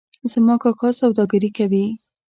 زما کاکا سوداګري کوي